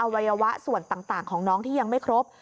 วัยวะส่วนต่างของน้องที่ยังไม่ครบ